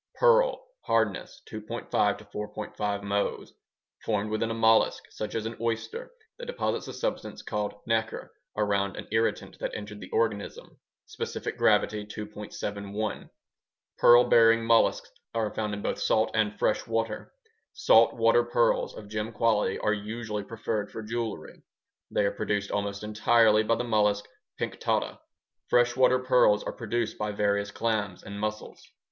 Pearl (hardness: 2.5 4.5 Mohs) Formed within a mollusk, such as an oyster, that deposits a substance called nacre around an irritant that entered the organism Specific gravity: 2.71 Pearl bearing mollusks are found in both salt and fresh water. Salt water pearls of gem quality are usually preferred for jewelry; they are produced almost entirely by the mollusk Pinctada. Fresh water pearls are produced by various clams and mussels.